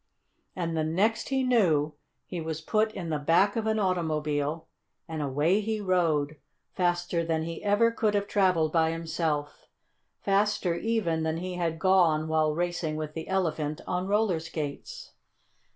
And the next he knew he was put in the back of an automobile and away he rode, faster than he ever could have traveled by himself faster even than he had gone while racing with the Elephant on roller skates.